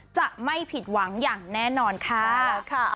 จะไม่ผิดหวังอย่างแน่นอนค่ะ